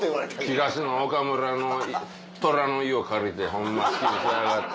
「東野岡村の虎の威を借りてホンマ好きにしやがって」。